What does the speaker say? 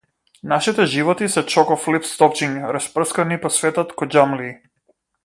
Нашите животи се чоко флипс топчиња, распрскани по светот ко џамлии.